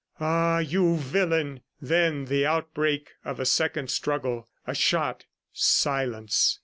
"Ah, you villain!" ... Then the outbreak of a second struggle ... a shot ... silence!